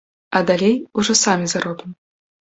А далей ужо самі заробім.